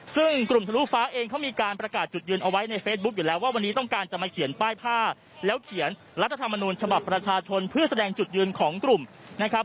ซึ่งกลุ่มทะลุฟ้าเองเขามีการประกาศจุดยืนเอาไว้ในเฟซบุ๊คอยู่แล้วว่าวันนี้ต้องการจะมาเขียนป้ายผ้าแล้วเขียนรัฐธรรมนูญฉบับประชาชนเพื่อแสดงจุดยืนของกลุ่มนะครับ